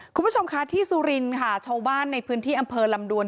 คุณผู้ชมคะที่สุรินค่ะชาวบ้านในพื้นที่อำเภอลำดวน